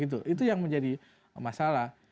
itu yang menjadi masalah